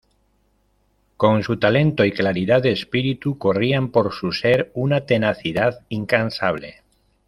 Con su talento y claridad de espíritu corrían por su ser una tenacidad incansable.